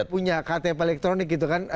punya ktp elektronik gitu kan